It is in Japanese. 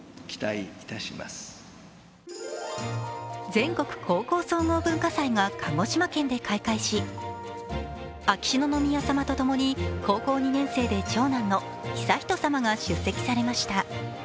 全国高校総合文化祭が鹿児島県で開会し秋篠宮さまとともに高校２年生で長男の悠仁さまが出席されました。